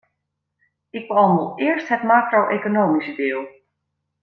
Ik behandel eerst het macro-economische deel.